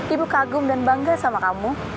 ibu kagum dan bangga sama kamu